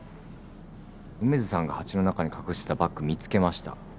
梅津さんが鉢の中に隠してたバッグ見つけました。